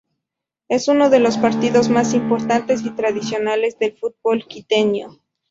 Es uno de los partidos más importantes y tradicionales del fútbol quiteño.